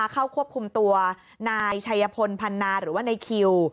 เข้าควบคุมตัวนายชัยพลพันนาหรือว่าในคิว